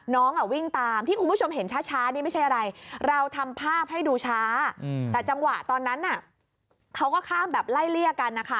น้องวิ่งตามที่คุณผู้ชมเห็นช้านี่ไม่ใช่อะไรเราทำภาพให้ดูช้าแต่จังหวะตอนนั้นเขาก็ข้ามแบบไล่เลี่ยกันนะคะ